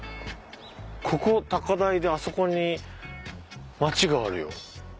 ここ高台であそこに町があるよ。